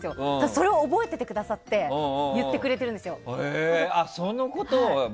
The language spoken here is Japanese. それを覚えててくださって言ってくれてるんですよ。